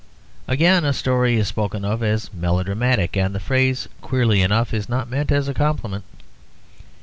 Again, a story is spoken of as 'melodramatic,' and the phrase, queerly enough, is not meant as a compliment.